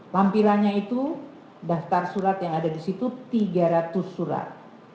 lampirannya itu daftar surat yang ada di situ tiga ratus surat